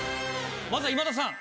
まずは今田さん。